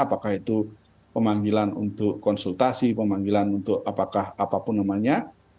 apakah itu pemanggilan untuk konsultasi pemanggilan untuk apakah apapun namanya